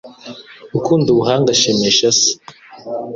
Ukunda ubuhanga ashimisha se